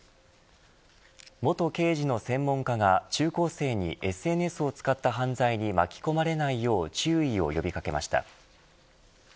元刑事の専門家が中高生にＳＮＳを使った犯罪に巻き込まれないよう注意を呼び掛けました。